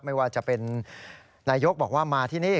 ไม่ว่าจะเป็นนายกบอกว่ามาที่นี่